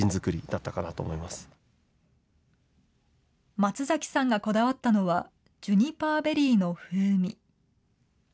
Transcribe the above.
松崎さんがこだわったのは、ジュニパーベリーの風味。